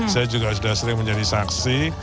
saya juga sudah sering menjadi saksi